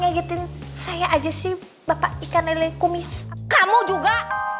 ngagitin saya aja sih bapak ikan lele kumis kamu juga